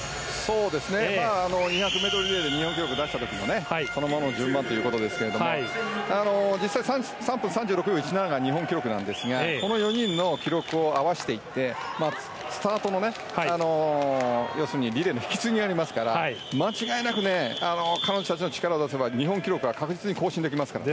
２００ｍリレーで日本記録を出した時もそのままの順番ということですが実際、３分３６秒１７が日本記録ですがこの４人の記録を合わせていってスタートの、要するにリレーの引き継ぎがありますから間違いなく、彼女たちが力を出せば日本記録は確実に更新できますから。